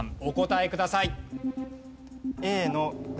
お答えください。